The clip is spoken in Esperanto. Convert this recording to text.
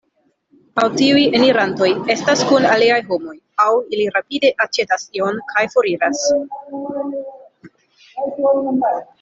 Aŭ tiuj enirantoj estas kun aliaj homoj, aŭ ili rapide aĉetas ion kaj foriras.